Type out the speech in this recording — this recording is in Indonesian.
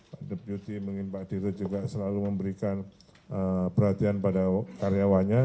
pak deputi mungkin pak dirut juga selalu memberikan perhatian pada karyawannya